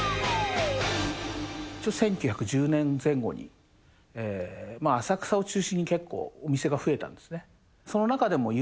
１９１０年前後に、浅草を中心に結構、お店が増えたんですね。